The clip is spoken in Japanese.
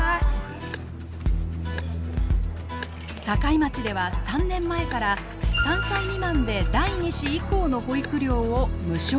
境町では３年前から３歳未満で第２子以降の保育料を無償化。